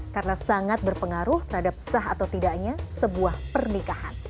karena sangat berpengaruh terhadap sah atau tidaknya sebuah pernikahan